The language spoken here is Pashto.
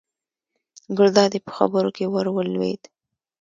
ګلداد یې په خبرو کې ور ولوېد.